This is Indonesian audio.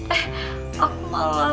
eh aku malah